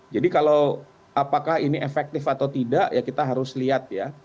jadi kalau apakah ini efektif atau tidak ya kita harus lihat ya